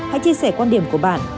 hãy chia sẻ quan điểm của bạn